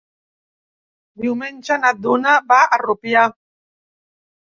Diumenge na Duna va a Rupià.